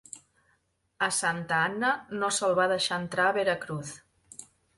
A Santa Anna no se'l va deixar entrar a Veracruz.